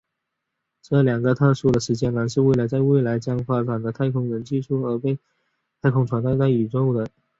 这两个特殊的时间囊是为了在未来将发展的太空人技术而被太空船带到宇宙的。